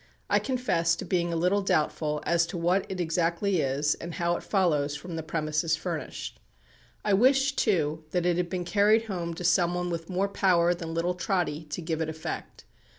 I confess to being a little doubtful as to what it exactly is, and how it follows from the premises furnished. I wish, too, that it had been carried home to some one with more power than little Trotty to give it effect.